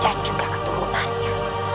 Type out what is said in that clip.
dan juga keturunannya